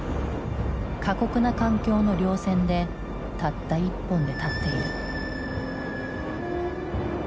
過酷な環境の稜線でたった１本で立っている。